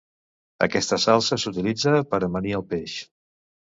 Aquesta salsa s'utilitza per amanir el peix